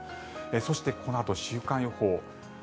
そしてこのあと週間予報。